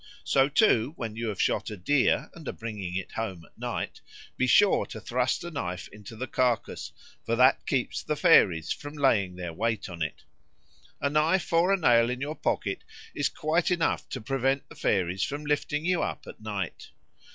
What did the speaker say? So, too, when you have shot a deer and are bringing it home at night, be sure to thrust a knife into the carcase, for that keeps the fairies from laying their weight on it. A knife or nail in your pocket is quite enough to prevent the fairies from lifting you up at night.